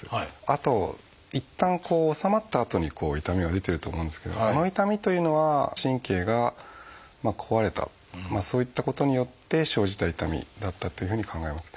あといったん治まったあとに痛みが出てると思うんですけどこの痛みというのは神経が壊れたそういったことによって生じた痛みだったというふうに考えます。